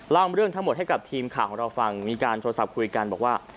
เล่าเรื่องทั้งหมดให้กับทีมข่าวของเราฟังมีการโทรศัพท์คุยกันบอกว่า